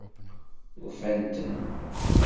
Ufant-ten?